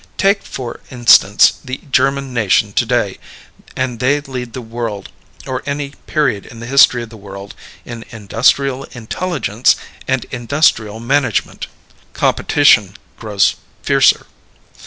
Take, for instance, the German nation to day, and they lead the world or any period in the history of the world in industrial intelligence and industrial management. Competition Grows Fiercer.